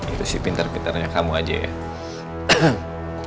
itu sih pinter pinternya kamu aja ya